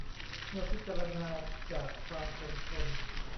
เมื่อพิจารณาจากความคงทน